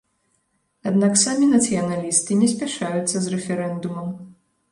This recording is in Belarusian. Аднак самі нацыяналісты не спяшаюцца з рэферэндумам.